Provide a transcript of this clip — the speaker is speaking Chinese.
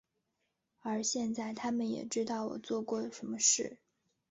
而现在他们也知道我做过什么事。